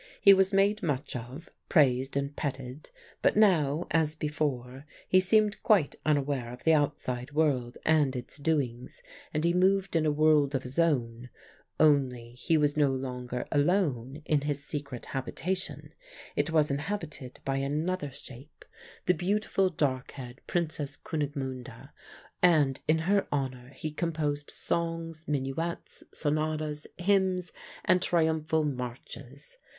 He was made much of, praised and petted; but now, as before, he seemed quite unaware of the outside world and its doings, and he moved in a world of his own, only he was no longer alone in his secret habitation, it was inhabited by another shape, the beautiful dark haired Princess Kunigmunde, and in her honour he composed songs, minuets, sonatas, hymns, and triumphal marches.